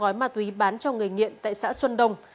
hai mươi năm gói ma túy bán cho người nghiện tại xã xuân đông